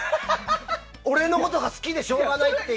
俺のことが好きでしょうがないって。